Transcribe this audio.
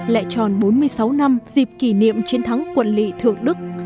lệ tròn bốn mươi sáu năm dịp kỷ niệm chiến thắng quận lị thượng đức